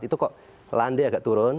itu kok landai agak turun